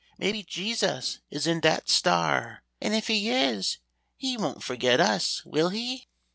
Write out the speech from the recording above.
Maybe Jesus is in dat star, and if He is, He won't forget us, will He?"